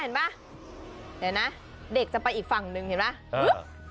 เห็นมั้ยเด็กจะไปอีกฝั่งหนึ่งเห็นมั้ย